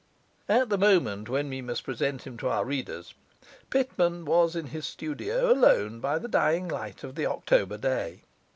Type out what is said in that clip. At the moment when we must present him to our readers, Pitman was in his studio alone, by the dying light of the October day.